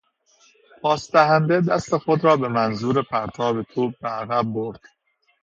پاس دهنده دست خود را به منظور پرتاب توپ به عقب برد.